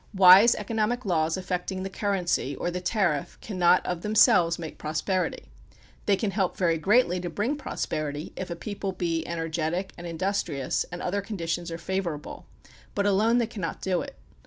Wise economic laws affecting the currency or the tariff cannot of themselves make prosperity. They can help very greatly to bring prosperity if a people be energetic and industrious and other conditions are favorable, but alone they cannot do it.